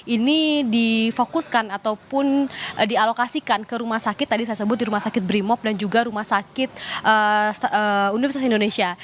ini difokuskan ataupun dialokasikan ke rumah sakit tadi saya sebut di rumah sakit brimob dan juga rumah sakit universitas indonesia